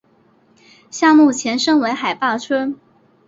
项目前身为海坝村。